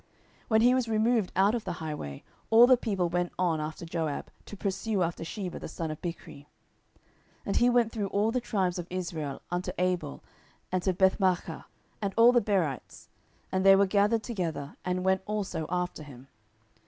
10:020:013 When he was removed out of the highway, all the people went on after Joab, to pursue after Sheba the son of Bichri. 10:020:014 And he went through all the tribes of Israel unto Abel, and to Bethmaachah, and all the Berites: and they were gathered together, and went also after him.